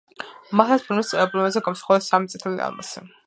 მართლაც, ფირმის ემბლემაზე გამოსახულია სამი წითელი ალმასი.